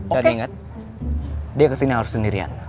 dan inget dia kesini harus sendirian